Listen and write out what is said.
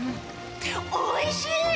おいしい！